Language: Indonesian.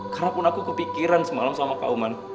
karapun aku kepikiran semalam sama kau man